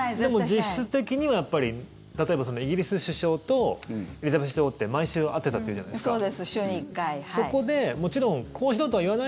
実質的には例えばイギリス首相とエリザベス女王って毎週会ってたっていうじゃないですか。